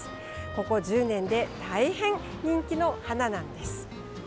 ここ１０年で大変人気の花なんです。